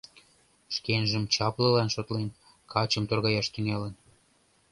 Шкенжым чаплылан шотлен, качым торгаяш тӱҥалын.